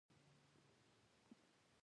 دښتې د طبعي سیسټم توازن ساتي.